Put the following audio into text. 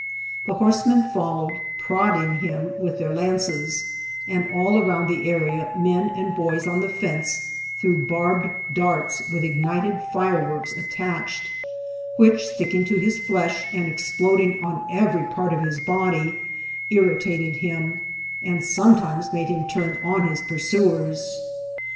The horsemen followed, ^^ prodding'' him with their lances ; and all around the area, men and boys ' on the fence threw barbed darts with ignited fireworks attached, which, sticking in his flesh and exploding on every part of his body, irritated him, and scmietimes made him turn on his pursuers.